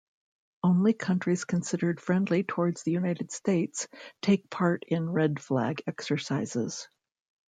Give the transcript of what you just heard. Only countries considered friendly towards the United States take part in Red Flag exercises.